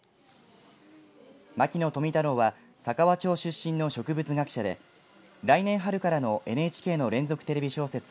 牧野富太郎は佐川町出身の植物学者で来年春からのＮＨＫの連続テレビ小説